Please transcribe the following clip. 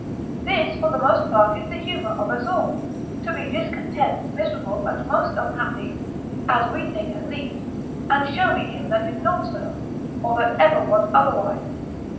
This for the most part is the humour of us all, to be discontent, miserable, and most unhappy, as we think at least; and show me him that is not so, or that ever was otherwise.